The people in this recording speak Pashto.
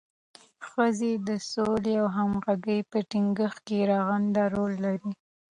ښځې د سولې او همغږۍ په ټینګښت کې رغنده رول لري.